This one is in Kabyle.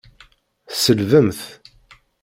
Tselbemt.